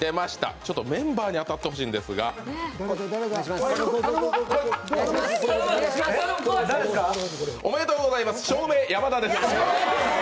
ちょっとメンバーに当たってほしいんですがおめでとうございます、照明・山田です。